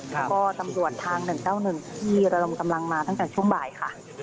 แล้วก็ตำลวจทางหนึ่งเจ้าหนึ่งที่เรากำลังมาตั้งแต่ช่วงบ่ายค่ะ